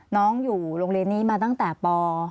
น้องอยู่โรงเรียนนี้มาตั้งแต่ป๕